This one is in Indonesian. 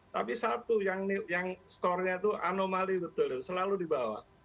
tapi satu yang skornya itu anomali betul betul selalu di bawah